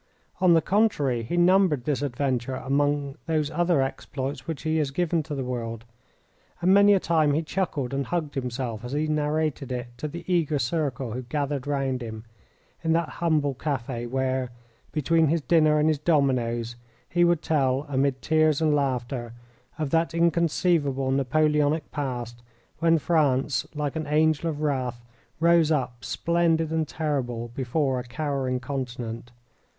On the contrary, he numbered this adventure among those other exploits which he has given to the world, and many a time he chuckled and hugged himself as he narrated it to the eager circle who gathered round him in that humble cafe where, between his dinner and his dominoes, he would tell, amid tears and laughter, of that inconceivable Napoleonic past when France, like an angel of wrath, rose up, splendid and terrible, before a cowering continent.